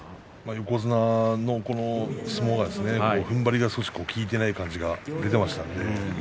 横綱の相撲がふんばりが少し効いていない感じが出ていましたよね。